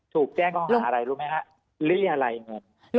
ถูกแจ้งข้างหาอะไรรู้ไหมฮะลิ่นอะไรเงิน